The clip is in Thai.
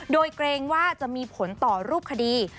โดยเกรงว่าจะมีผลต่อรูปคดี